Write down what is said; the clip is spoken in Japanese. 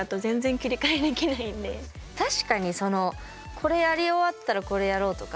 確かにこれやり終わったらこれやろうとか。